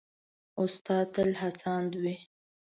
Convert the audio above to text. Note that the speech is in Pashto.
استاد تل هڅاند وي.